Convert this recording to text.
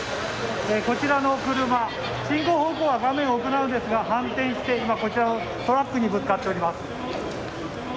こちらの車進行方向は画面奥なのですが反転して今、トラックにぶつかっています。